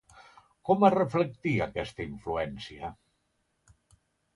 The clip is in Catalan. Com es reflectia aquesta influència?